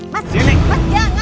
mas jangan mas